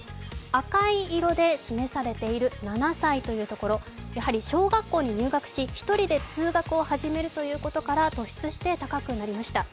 赤い色で示されている７歳というところ、やはり小学校に入学し、１人で通学を始めるということから突出して高くなりました。